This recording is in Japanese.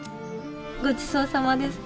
ごちそうさまです。